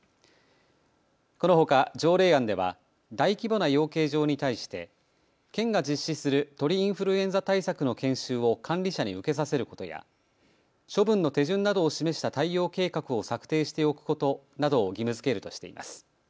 このほか条例案では大規模な養鶏場に対して県が実施する鳥インフルエンザ対策の研修を管理者に受けさせることや処分の手順などを示した対応計画を策定しておくことなどを義務づけるとしています。